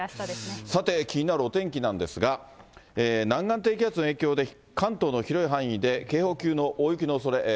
さて、気になるお天気なんですが、南岸低気圧の影響で、関東の広い範囲で警報級の大雪のおそれ。